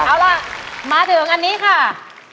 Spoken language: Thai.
เอาล่ะมาถึงอันนี้ค่ะ